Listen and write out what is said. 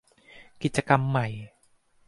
กิจกรรมใหม่